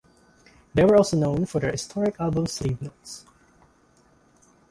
They were also known for their esoteric album sleeve notes.